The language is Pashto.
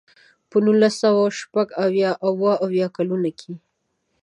په نولس سوه شپږ اویا او اوه اویا کلونو کې.